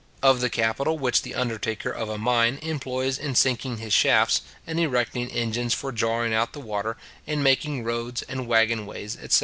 of the capital which the undertaker of a mine employs in sinking his shafts, in erecting engines for drawing out the water, in making roads and waggon ways, etc.